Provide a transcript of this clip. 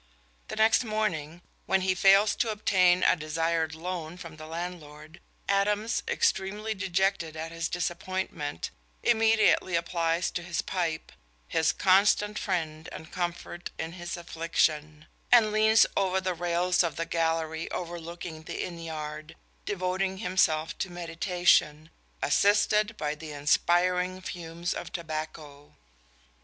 The next morning, when he fails to obtain a desired loan from the landlord, Adams, extremely dejected at his disappointment, immediately applies to his pipe, "his constant friend and comfort in his affliction," and leans over the rails of the gallery overlooking the inn yard, devoting himself to meditation, "assisted by the inspiring fumes of tobacco."